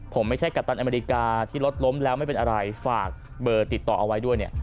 ผมไม่ใช่กัปตันอเมริกาที่รถล้มแล้วไม่เป็นอะไรฝากเบอร์ติดต่อเอาไว้ด้วยเนี่ย